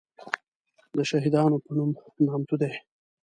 دشهیدانو په نوم نامتو دی.